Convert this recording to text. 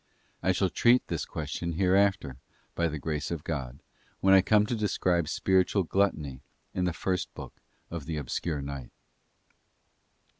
'* I shall treat this question hereafter, by the grace of God, when I come to describe spiritual gluttony in the first book of the Obscure Night.